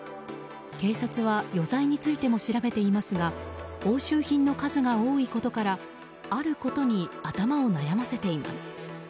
警察は余罪についても調べていますが押収品の数が多いことからあることに頭を悩ませています。